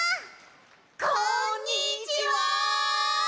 こんにちは。